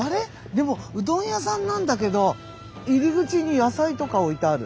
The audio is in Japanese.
でもうどん屋さんなんだけど入り口に野菜とか置いてある。